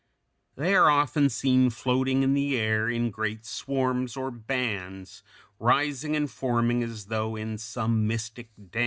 They are often seen floating in the air in great swarms or bands, rising and forming as though in some mystic dance.